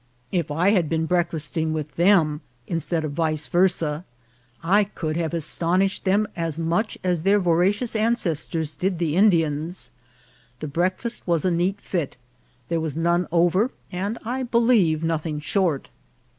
If I had been breakfasting with them in stead of vice versa, I could have astonished them as much as their voracious ancestors did the Indians. The breakfast was a neat fit ; there was none over, and I believe nothing short.